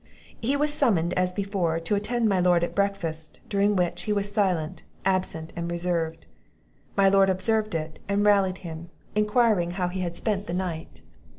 He was summoned, as before, to attend my lord at breakfast; during which, he was silent, absent, and reserved. My Lord observed it, and rallied him; enquiring how he had spent the night?